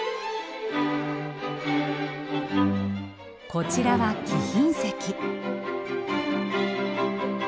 こちらは貴賓席。